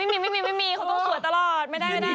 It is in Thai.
ไม่มีไม่มีคนตัวสวยตลอดไม่ได้